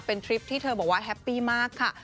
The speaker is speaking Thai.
เป็นทริปที่เธอบอกว่าแฮปปี้มากค่ะ